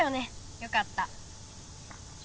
よかった。